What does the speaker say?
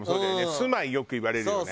住まいよく言われるよね。